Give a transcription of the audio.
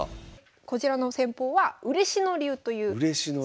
こちらの戦法は嬉野流という嬉野流。